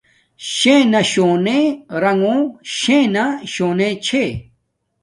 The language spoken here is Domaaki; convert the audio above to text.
شݵنݳ شݸنݺ رَݣݸ شݵنݳ شݸنݺ چھݺ.